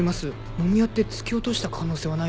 もみ合って突き落とした可能性はないですよね？